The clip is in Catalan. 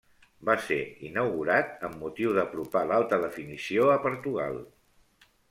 Va ser inaugurat amb motiu d'apropar l'alta definició a Portugal.